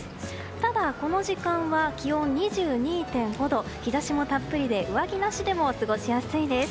ただ、この時間は気温２２．５度日差しもたっぷりで上着なしでも過ごしやすいです。